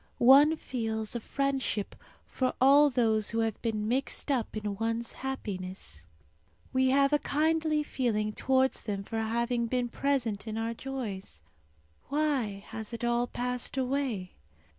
One feels a friendship for all those who have been mixed up in one's happiness. We have a kindly feeling towards them for having been present in our joys. Why has it all passed away?